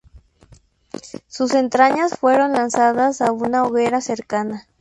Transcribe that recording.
Sus entrañas fueron lanzadas a una hoguera cercana.